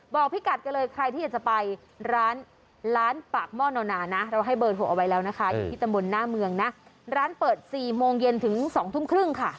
บอกพี่กัดเลยใครที่จะไปล้านปากหม้อนอนานะเปิด๔โมงเย็นถึง๒ทุ่มครึ่ง